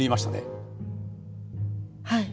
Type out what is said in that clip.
はい。